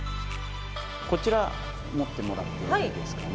こちら持ってもらっていいですかね。